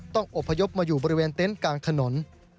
อบพยพมาอยู่บริเวณเต็นต์กลางถนน